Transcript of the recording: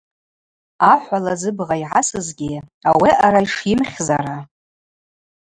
Ахӏвала зыбгъа йгӏасызгьи ауи аъара йшйымхьзара.